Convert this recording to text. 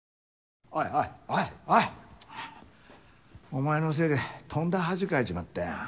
お前のせいでとんだ恥かいちまったよ。